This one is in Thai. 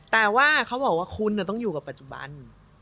แต่ว่าเขาบอกว่าคุณต้องอยู่กับปัจจุบัน